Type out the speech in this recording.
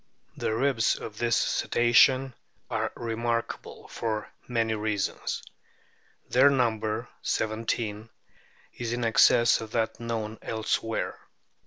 The ribs of this Cetacean are remarkable for many reasons. Their number (seventeen) is in excess of that known elsewhere.